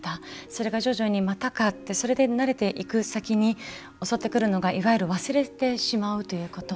それが徐々にまたかってそれで慣れていく先に襲ってくるのがいわゆる忘れてしまうということ。